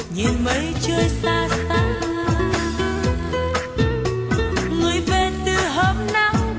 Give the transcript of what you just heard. người về từ hôm nắng